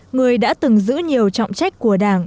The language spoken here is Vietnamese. người đã từng giữ nhiều trọng trách của đảng